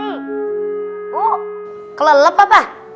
bu kelelep apa